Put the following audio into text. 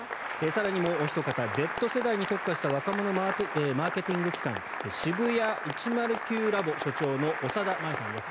更に、もうおひと方Ｚ世代に特化した若者マーケティング機関ＳＨＩＢＵＹＡ１０９ｌａｂ．所長の長田麻衣さんです。